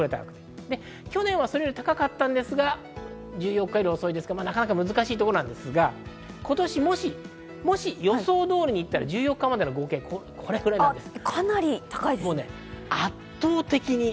去年はそれより高かったんですが、１４日より遅いので、なかなか難しいところですが、今年、もし予想通りに行ったら１４日までの合計、これぐらいです。